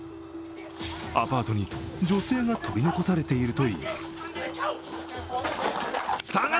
アパートに女性が取り残されているといいます。